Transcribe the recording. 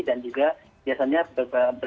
dan juga biasanya bergantung dengan kesehatan